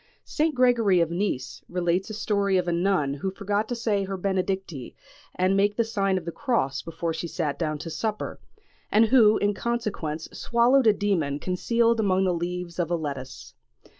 St. Gregory of Nice relates a story of a nun who forgot to say her benedicite and make the sign of the cross before she sat down to supper, and who in consequence swallowed a demon concealed among the leaves of a lettuce.